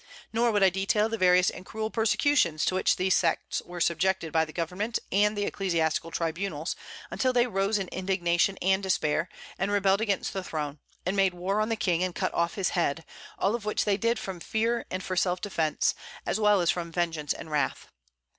Nor would I detail the various and cruel persecutions to which these sects were subjected by the government and the ecclesiastical tribunals, until they rose in indignation and despair, and rebelled against the throne, and made war on the King, and cut off his head; all of which they did from fear and for self defence, as well as from vengeance and wrath.